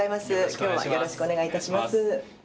きょうはよろしくお願いいたします。